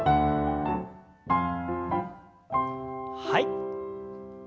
はい。